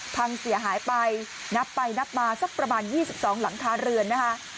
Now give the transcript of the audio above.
พังเสียหายไปนับไปนับมาสักประมาณ๒๒หลังคาเรือนนะคะ